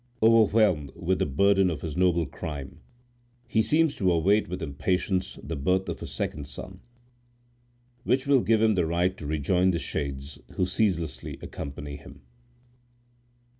Overwhelmed with the burden of his noble crime, he seems to await with impatience the birth of a second son, which will give him the right to rejoin the Shades who ceaselessly accompany him.